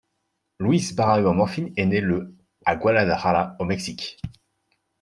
Luis Barragán Morfín est né le à Guadalajara au Mexique.